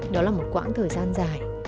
đó là một quãng thời gian dài